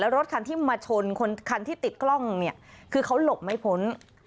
รถที่มาชนคันที่ติดกล้องคือเขาหลบไม่พ้น